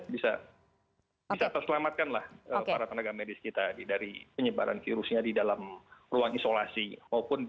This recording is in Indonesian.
bisa terselamatkanlah para tenaga medis kita dari penyebaran virusnya di dalam ruang isolasi maupun di ruangan gawah darurat igd